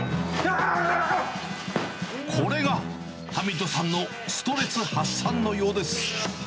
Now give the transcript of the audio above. これがハミッドさんのストレス発散のようです。